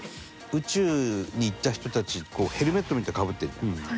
宇宙に行った人たちヘルメットみたいなのかぶってるじゃん。